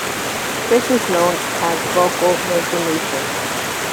This is known as vocal resonation.